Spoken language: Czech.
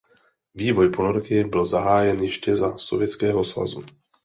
Vývoj ponorky byl zahájen ještě za Sovětského svazu.